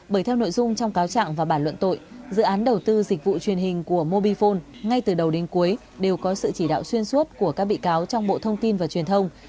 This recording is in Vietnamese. bởi theo nội dung trong cáo trạng và bản luận tội dự án đầu tư dịch vụ truyền hình của mobifone ngay từ đầu đến cuối đều có sự chỉ đạo xuyên suốt của các bị cáo trong bộ thông tin và truyền thông